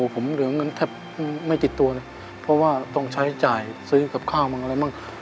ผมเหลือเงินแทบไม่ติดตัวเลยเพราะว่าต้องใช้จ่ายซื้อกับข้าวมั่งอะไรมั่ง